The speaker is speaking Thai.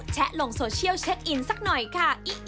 ลงโซเชียลเช็คอินสักหน่อยค่ะ